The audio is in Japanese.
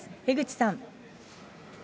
江口さん。